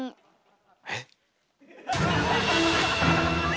えっ⁉